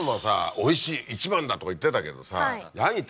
「おいしい！一番だ！」とか言ってたけどさ。